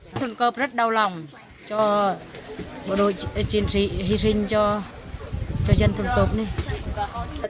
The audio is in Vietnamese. dân thôn cơ rất đau lòng cho bộ đội chiến sĩ hy sinh cho dân thôn cơ này